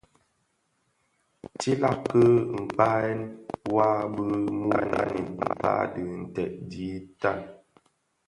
Tiilag ki kpaghèna wa bi mutanin kpäg dhi ntèd di dhaa.